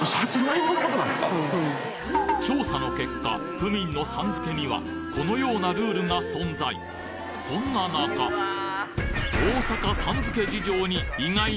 調査の結果府民の「さん」付けにはこのようなルールが存在そんな中例えば。